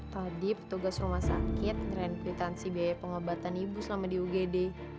tadi petugas rumah sakit grand klitansi biaya pengobatan ibu selama di ugd